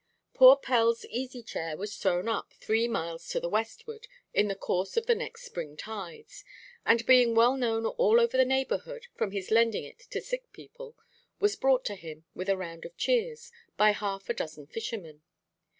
Poor Pellʼs easy–chair was thrown up, three miles to the westward, in the course of the next spring–tides, and, being well known all over the neighbourhood (from his lending it to sick people), was brought to him, with a round of cheers, by half a dozen fishermen.